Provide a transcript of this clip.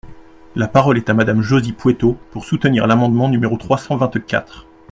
La parole est à Madame Josy Poueyto, pour soutenir l’amendement numéro trois cent vingt-quatre.